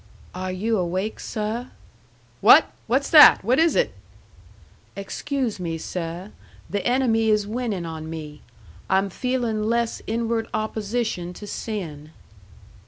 "Are you awake, seh?" "What? What's that? What is it?" "Excuse me, seh. The enemy is winning on me. I'm feeling less inward opposition to sin."